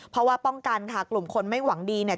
เพราะว่าป้องกันค่ะกลุ่มคนไม่หวังดีเนี่ย